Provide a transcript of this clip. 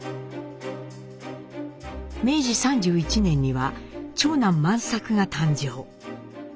明治３１年には長男万作が誕生。